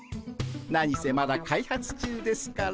何せまだ開発中ですから。